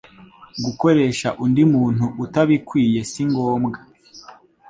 gukoresha undi umuntu utabikwiye singombwa